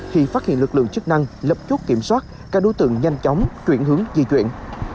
khi phát hiện lực lượng chức năng lập chốt kiểm soát các đối tượng nhanh chóng chuyển hướng di chuyển